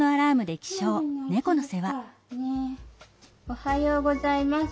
おはようございます。